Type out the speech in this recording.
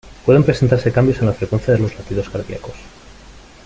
Pueden presentarse cambios en la frecuencia de los latidos cardíacos.